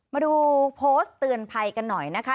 มาดูโพสต์เตือนภัยกันหน่อยนะคะ